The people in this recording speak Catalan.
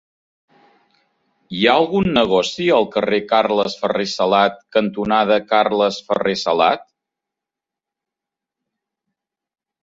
Hi ha algun negoci al carrer Carles Ferrer Salat cantonada Carles Ferrer Salat?